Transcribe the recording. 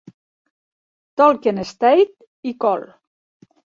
Tolkien Estate i col.